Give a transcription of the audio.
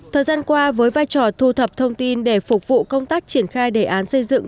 thời gian qua với vai trò thu thập thông tin để phục vụ công tác triển khai đề án xây dựng